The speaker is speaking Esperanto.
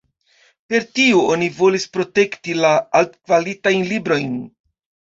Per tio oni volis protekti la altkvalitajn librojn.